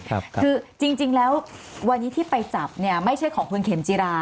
คือจริงแล้ววันนี้ที่ไปจับเนี่ยไม่ใช่ของคุณเข็มจิรา